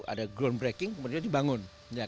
ada groundbreaking kemudian dibangun